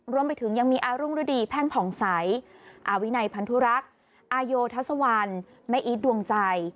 รวมไปถึงยังมีอารุงฤดีแพ่งผ่องใสอาวินัยพันธุรักษ์อาโยทัศวรรณแม่อีทดวงใจ